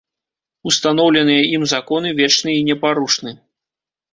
Устаноўленыя ім законы вечны і непарушны.